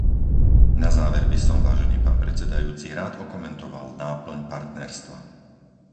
Na záver by som, vážený pán predsedajúci, rád okomentoval náplň partnerstva.